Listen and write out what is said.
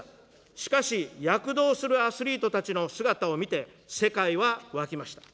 しかし、躍動するアスリートたちの姿を見て、世界は沸きました。